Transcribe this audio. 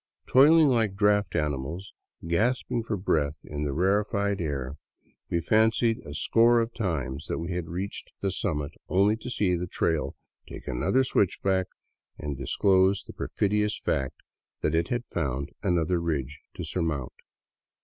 Toiling like draft animals, gasping for breath in the rarefied air, we fancied a score of times that we had reached the summit, only to see the trail take another switchback and disclose the perfidious fact that it had found another ridge to surmount.